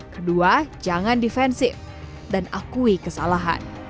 kedua jangan defensif dan akui kesalahan